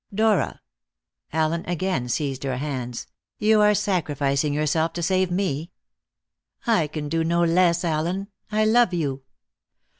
"Dora" Allen again seized her hands "you are sacrificing yourself to save me?" "I can do no less, Allen. I love you.